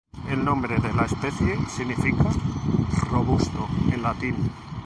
El nombre de la especie significa "robusto" en latín.